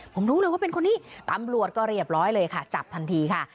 ผมรู้เลยว่าเป็นคนนี้ตำรวจก็เรียบร้อยเลยค่ะจับทันทีค่ะ